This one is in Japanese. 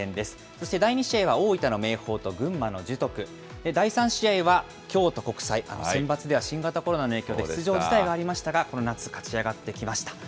そして第２試合は、大分の明豊と群馬の樹徳、第３試合は、京都国際、センバツでは新型コロナの影響で出場辞退がありましたが、この夏、勝ち上がってきました。